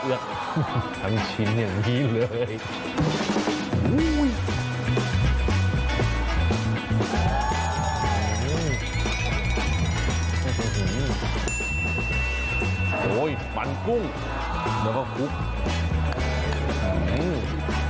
เหมือนกับกุ๊ก